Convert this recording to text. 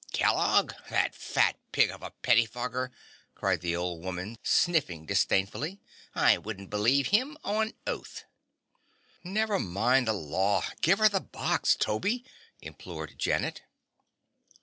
"Kellogg! That fat pig of a pettifogger?" cried the old woman, sniffing disdainfully. "I wouldn't believe him on oath." "Never mind the law; give her the box, Toby," implored Janet.